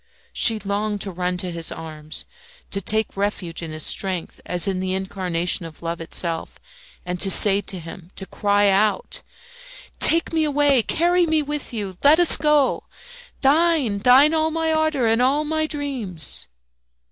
She longed to run to his arms, to take refuge in his strength, as in the incarnation of love itself, and to say to him, to cry out, "Take me away! carry me with you! let us go! Thine, thine! all my ardour and all my dreams!"